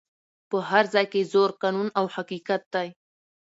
په هر ځای کي زور قانون او حقیقت دی